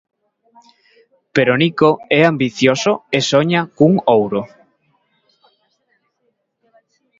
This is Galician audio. Pero Nico é ambicioso e soña cun ouro.